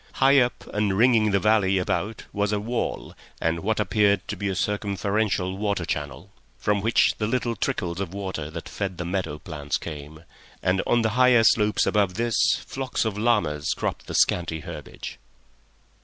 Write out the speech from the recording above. High up and ringing the valley about was a wall, and what appeared to be a circumferential water channel, from which the little trickles of water that fed the meadow plants came, and on the higher slopes above this flocks of llamas cropped the scanty herbage.